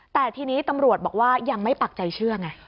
แต่ทีนี้ตำรวจบอกว่ายังไม่ปักใจเชื่อไง